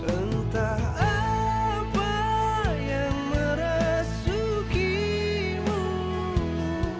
entah apa yang merasukimu